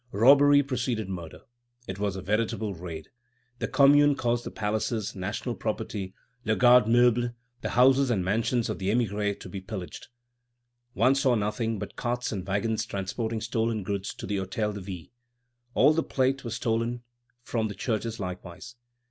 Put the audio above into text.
Robbery preceded murder. It was a veritable raid. The Commune caused the palaces, national property, the Garde Meuble, the houses and mansions of the émigrés to be pillaged. One saw nothing but carts and wagons transporting stolen goods to the Hôtel de Ville. All the plate was stolen from the churches likewise.